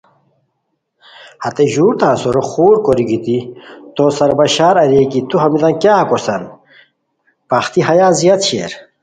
ہتے ژور تان سورو خور کوری گیتی تو سار بشار اریر کی تو ہمیتان کیاغ کوسان پختی ہیا زیاد شیر